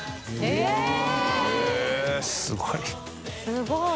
すごい。